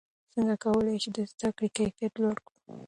څنګه کولای شو د زده کړې کیفیت لوړ کړو؟